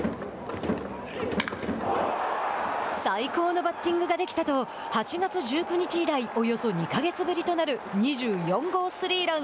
最高のバッティングができたと８月１９日以来およそ２か月ぶりとなる２４号スリーラン。